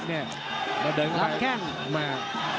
เราเดินไปมา